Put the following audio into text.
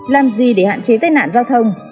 làm gì để hạn chế tên nạn giao thông